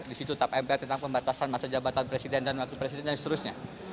di situ tap mpr tentang pembatasan masa jabatan presiden dan wakil presiden dan seterusnya